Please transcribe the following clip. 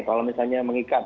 kalau misalnya mengikat